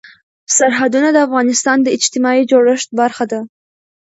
سرحدونه د افغانستان د اجتماعي جوړښت برخه ده.